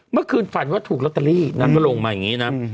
เมื่อคืนฝันว่าถูกลอตเตอรี่นางก็ลงมาอย่างนี้นะ